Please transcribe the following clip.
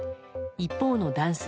一方の男性